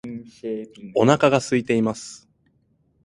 お腹が空いています